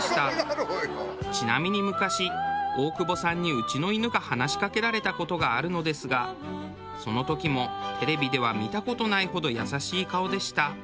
ちなみに昔大久保さんにうちの犬が話しかけられた事があるのですがその時もテレビでは見た事ないほど優しい顔でした。